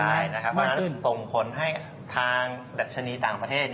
ใช่นะครับเพราะฉะนั้นส่งผลให้ทางดัชนีต่างประเทศ